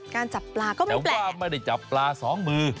การจับปลาก็ไม่แปลกแต่ว่าไม่ได้จับปลาสองมือ